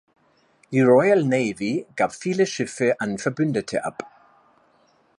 Die Royal Navy gab viele Schiffe an Verbündete ab.